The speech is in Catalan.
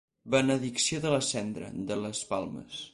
Benedicció de la cendra, de les palmes.